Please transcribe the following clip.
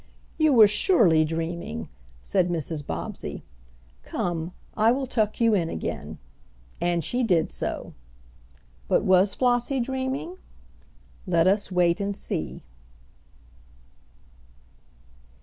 "You were surely dreaming," said Mrs. Bobbsey. "Come, I will tuck you in again," and she did so. But was Flossie dreaming? Let us wait and see.